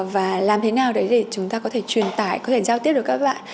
và làm thế nào đấy để chúng ta có thể truyền tải có thể giao tiếp được các bạn